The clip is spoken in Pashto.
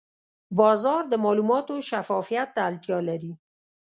بازار د معلوماتو شفافیت ته اړتیا لري.